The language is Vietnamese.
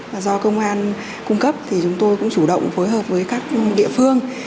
và do công an cung cấp thì chúng tôi cũng chủ động phối hợp với các địa phương